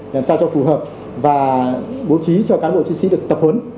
làm sao cho phù hợp và bố trí cho cán bộ chiến sĩ được tập huấn